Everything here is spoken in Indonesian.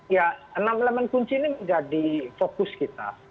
ya enam elemen kunci ini menjadi fokus kita